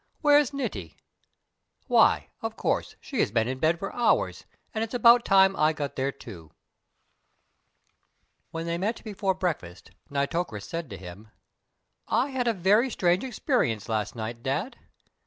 Where's Niti? Why, of course, she has been in bed for hours, and it's about time that I got there, too." When they met before breakfast Nitocris said to him: "I had a very strange experience last night, Dad.